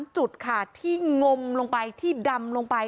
จุดค่ะที่งมลงไปที่ดำลงไป